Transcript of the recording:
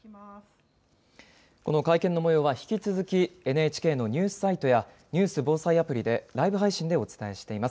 この会見のもようは、引き続き、ＮＨＫのニュースサイトや、ニュース・防災アプリで、ライブ配信でお伝えしています。